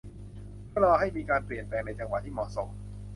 เพื่อรอให้มีการเปลี่ยนแปลงในจังหวะที่เหมาะสม